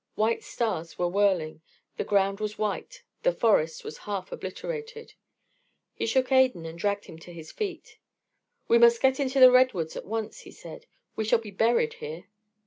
White stars were whirling, the ground was white, the forest was half obliterated. He shook Adan and dragged him to his feet. "We must get into the redwoods at once," he said. "We shall be buried here."